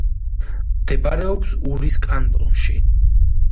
მდებარეობს ურის კანტონში.